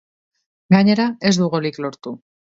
Gainera, ez du golik lortu.